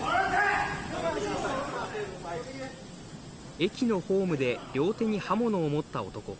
駅のホームで両手に刃物を持った男。